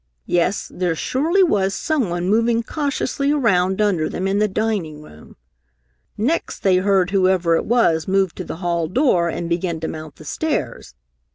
Yes, there surely was someone moving cautiously around under them, in the dining room! Next they heard whoever it was move to the hall door and begin to mount the stairs.